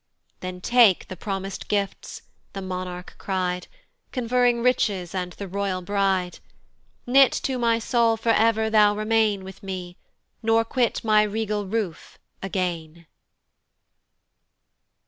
"Then take the promis'd gifts," the monarch cry'd, Conferring riches and the royal bride: "Knit to my soul for ever thou remain "With me, nor quit my regal roof again."